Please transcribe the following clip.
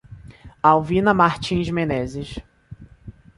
Alvina Martins Menezes